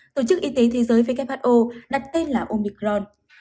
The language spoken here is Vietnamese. tổ chức y tế thế giới who đặt tên là omicron